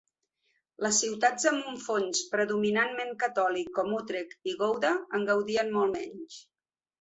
Les ciutats amb un fons predominantment catòlic com Utrecht i Gouda, en gaudien molt menys.